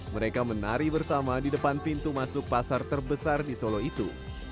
mereka menari bersama di depan pintu masuk pasar terbesar di solo itu